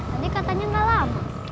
tadi katanya gak lama